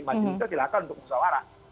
masjid itu dilakukan untuk usahawara